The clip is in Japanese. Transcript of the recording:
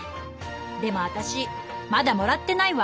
でも私まだもらってないわ。